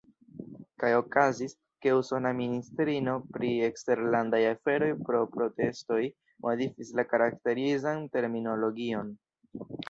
Kaj okazis, ke usona ministrino pri eksterlandaj aferoj pro protestoj modifis la karakterizan terminologion.